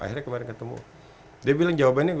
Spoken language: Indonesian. akhirnya kemarin ketemu dia bilang jawabannya